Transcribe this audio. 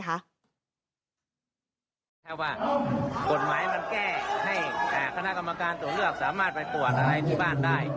ถ้าว่ากฎหมายมันแก้ให้คณะกรรมการตรวจเลือกสามารถไปตรวจอะไรที่บ้านได้